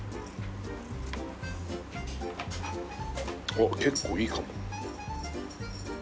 おっ結構いいかも。